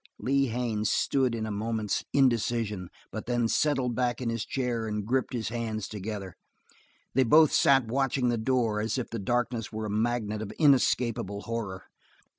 Lee Haines stood in a moment's indecision but then settled back in his chair and gripped his hands together. They both sat watching the door as if the darkness were a magnet of inescapable horror.